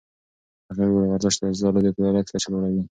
هغې وویل ورزش د عضلو د فعالیت کچه لوړوي.